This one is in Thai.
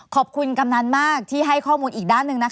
กำนันมากที่ให้ข้อมูลอีกด้านหนึ่งนะคะ